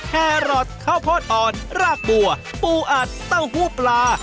แครอทข้าวโพดอ่อนรากบัวปูอัดเต้าหู้ปลา